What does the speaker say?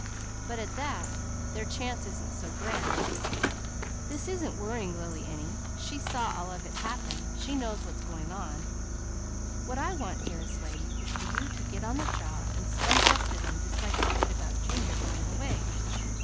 But at that, their chance isn't so grand. This isn't worrying Lily any. She saw all of it happen, she knows what's going on. What I want, dearest lady, is for you to get on the job, and spunk up to them, just like you did about Junior going away.